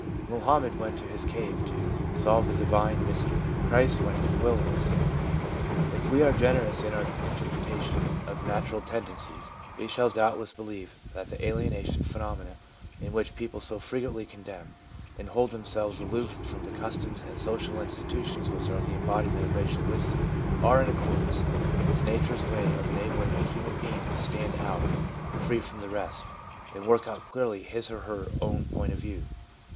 Mohammed went to his cave to ' solve the divine mystery' ; Christ went to the wilderness. If we are generous in our interpretation of natural tendencies, we shall doubtless believe that the * aliena tion ' phenomena, in which people so frequently condemn and hold themselves aloof from the customs and social institutions which are the embodiment of racial wisdom, are in accordance with nature's way of enabling a human being to stand out free from the rest, and work out clearly his or her own point of view.